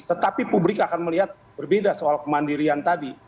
tetapi publik akan melihat berbeda soal kemandirian tadi